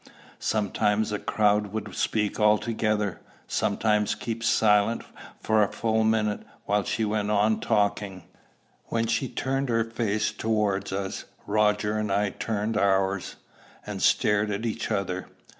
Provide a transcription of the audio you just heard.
Sometimes the crowd would speak altogether, sometimes keep silent for a full minute while she went on talking. When she turned her face towards us, Roger and I turned ours, and stared at each other.